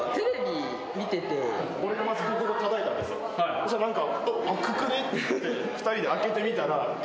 そしたら何か。